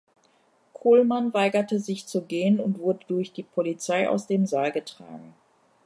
Kohlmann weigerte sich zu gehen und wurde durch die Polizei aus dem Saal getragen.